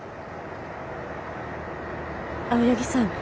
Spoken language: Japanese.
青柳さん